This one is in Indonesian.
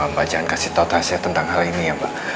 mbak jangan kasih tau tasnya tentang hal ini ya mbak